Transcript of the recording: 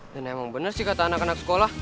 dan emang bener sih kata anak anak sekolah